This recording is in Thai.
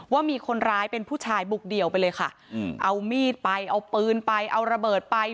ว่ามีคนร้ายเป็นผู้ชายบุกเดี่ยวไปเลยค่ะอืมเอามีดไปเอาปืนไปเอาระเบิดไป